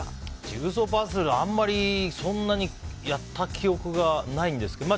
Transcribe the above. ジグソーパズル、そんなにやった記憶がないんですけど。